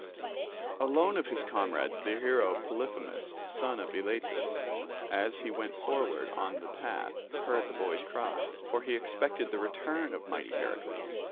Alone of his comrades the hero Polyphemus, son of Eilatus, as he went forward on the path, heard the boy's cry, for he expected the return of mighty Heracles.